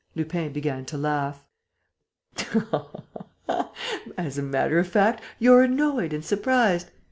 Lupin began to laugh: "As a matter of fact, you're annoyed and surprised.